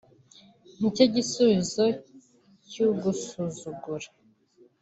nicyo gisubizo cy’ugusuzugura